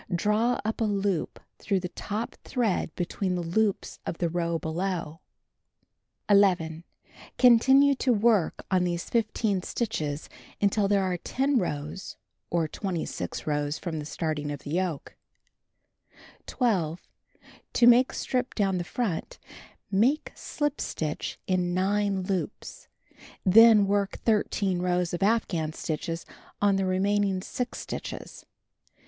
— Draw up a loop through the top thread between the loops of the row below. See "A" in Cut 4, page 233. 11. Continue to work on these 15 stitches until there are 10 rows, or 26 rows from the starting of the yoke. 12. To make strip down the front. — Make slip stitch in 9 loops. Then work 13 rows of afghan stitches on the remaining 6 stitches.